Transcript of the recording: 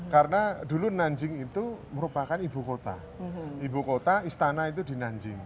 karena dulu nanjing itu merupakan ibu kota ibu kota istana itu di nanjing